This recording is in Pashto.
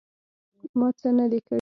_ما څه نه دي کړي.